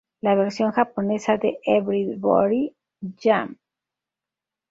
La versión japonesa de "Everybody Jam!